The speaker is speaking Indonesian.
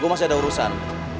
gue masih ada urusan